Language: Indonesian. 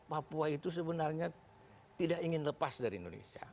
papua itu sebenarnya tidak ingin lepas dari indonesia